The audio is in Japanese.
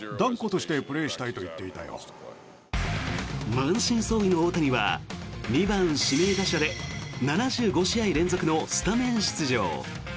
満身創痍の大谷は２番指名打者で７５試合連続のスタメン出場。